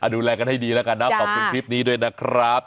ดูแลกันให้ดีแล้วกันนะขอบคุณคลิปนี้ด้วยนะครับ